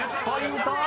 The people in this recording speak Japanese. １０ポイント！］